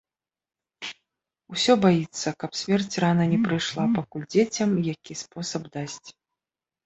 Усё баіцца, каб смерць рана не прыйшла, пакуль дзецям які спосаб дасць.